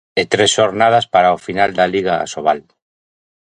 E tres xornadas para o final da Liga Asobal.